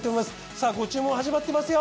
さぁご注文始まってますよ。